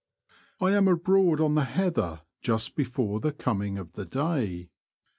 I am abroad on the heather just before the coming of the day.